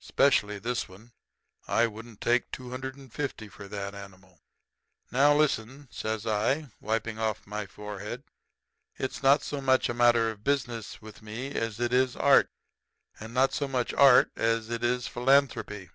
Specially this one. I wouldn't take two hundred and fifty for that animal.' "'Now, listen,' says I, wiping off my forehead. 'It's not so much a matter of business with me as it is art; and not so much art as it is philanthropy.